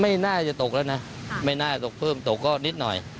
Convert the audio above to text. ไม่น่าจะตกแล้วนะไม่น่าตกเพิ่มตกก็นิดหน่อย